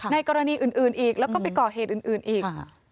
ในกรณีอื่นอีกแล้วก็ไปก่อเหตุอื่นอีก